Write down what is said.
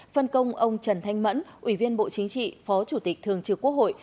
phân công ông trần thanh mẫn ủy viên bộ chính trị phó chủ tịch thường trực quốc hội